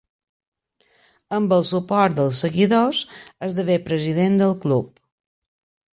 Amb el suport dels seguidors, esdevé president del club.